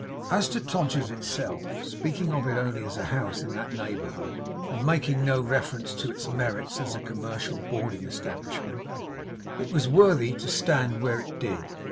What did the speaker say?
As to Todgers's itself speaking of it only as a house in that neighbourhood, and making no reference to its merits as a commercial boarding establishment it was worthy to stand where it did.